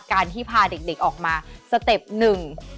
การที่พาเด็กออกมาสเต็ปหนึ่ง